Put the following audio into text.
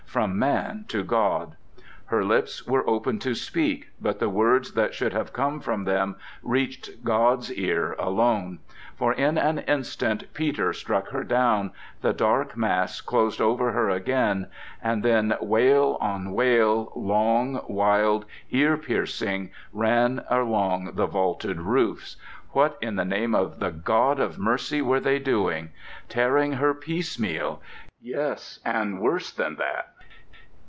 —from man to God. Her lips were open to speak; but the words that should have come from them reached God's ear alone; for in an instant Peter struck her down, the dark mass closed over her again ... and then wail on wail, long, wild, ear piercing, ran along the vaulted roofs.... What in the name of the God of mercy were they doing? Tearing her piece meal? Yes, and worse than that!...